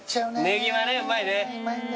ねぎまねうまいね。